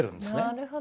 なるほど。